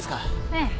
ええ。